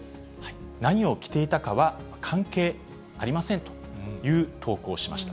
何を着ていたかは関係ありませんという投稿をしました。